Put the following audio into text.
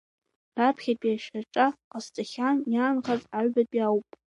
Раԥхьатәи ашьаҿа ҟасҵахьан, иаанхаз аҩбатәи ауп.